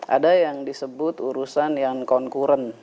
ada yang disebut urusan yang konkuren